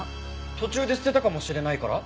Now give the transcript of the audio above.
途中で捨てたかもしれないから？